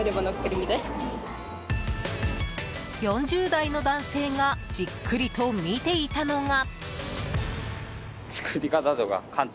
４０代の男性がじっくりと見ていたのが。